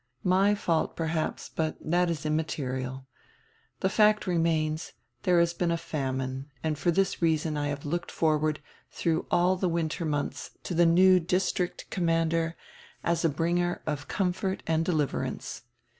My fault, perhaps, but diat is immaterial. The fact remains, diere has been a famine, and for this reason I have looked forward, dirough all die winter mondis, to the new district commander as a bringer of comfort and deliverance.